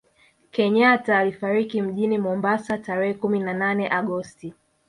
kenyatta alifariki mjini Mombasa tarehe kumi na nane agosti